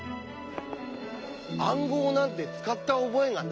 暗号なんて使った覚えがない？